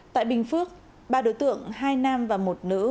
tại bình phước ba đối tượng hai nam và một nữ